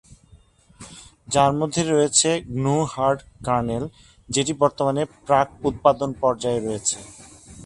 যার মধ্যে রয়েছে, গ্নু হার্ড কার্নেল, যেটি বর্তমানে প্রাক উৎপাদন পর্যায়ে রয়েছে।